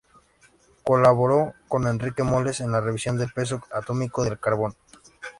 Colaboró con Enrique Moles en la revisión del peso atómico del carbono.